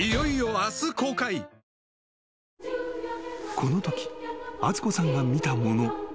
［このとき敦子さんが見たもの。